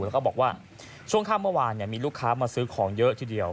แล้วก็บอกว่าช่วงค่ำเมื่อวานมีลูกค้ามาซื้อของเยอะทีเดียว